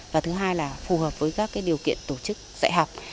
và thứ hai là phù hợp với các điều kiện tổ chức dạy học